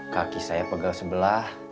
kaki saya pegang sebelah